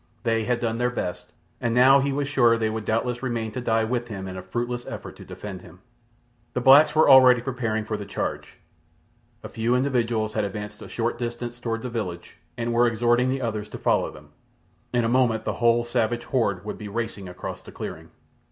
They had done their best, and now he was sure they would doubtless remain to die with him in a fruitless effort to defend him. The blacks were already preparing for the charge. A few individuals had advanced a short distance toward the village and were exhorting the others to follow them. In a moment the whole savage horde would be racing across the clearing.